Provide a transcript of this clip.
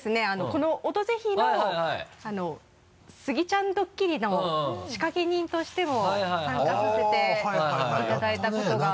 この「オドぜひ」のスギちゃんドッキリの仕掛け人としても参加させていただいたことがあるんですけれども。